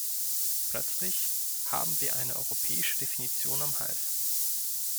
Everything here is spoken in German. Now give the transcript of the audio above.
Plötzlich haben wir eine europäische Definition am Hals.